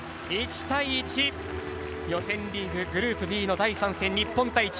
１対１、予選リーググループＢの第３戦日本対